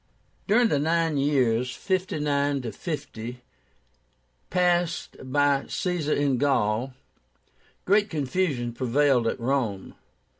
During the nine years (59 50) passed by Caesar in Gaul, great confusion prevailed at Rome.